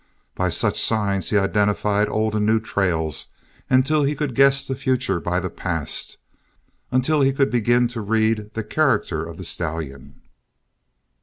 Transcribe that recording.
By such signs he identified old and new trails until he could guess the future by the past, until he could begin to read the character of the stallion.